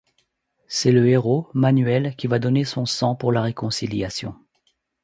C'est le héros, Manuel qui va donner son sang pour la réconciliation.